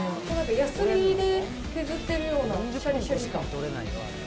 やすりで削ってるような。